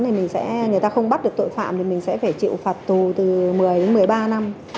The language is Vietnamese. thì người ta không bắt được tội phạm thì mình sẽ phải chịu phạt tù từ một mươi đến một mươi ba năm